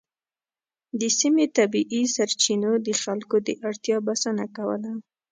د سیمې طبیعي سرچینو د خلکو د اړتیا بسنه کوله.